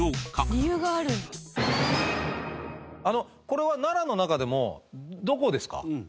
これは奈良の中でもどこですか？